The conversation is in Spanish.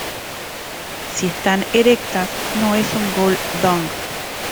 Si están erectas no es un Gull Dong.